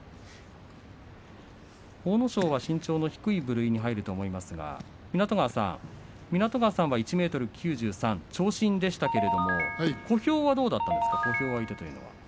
阿武咲は身長の低い部類に入ると思いますが、湊川さん湊川さんは１ｍ９３長身でしたけれども小兵はどうだったんですか。